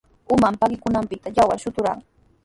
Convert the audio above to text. Uman pakikunqanpita yawar shuturqan.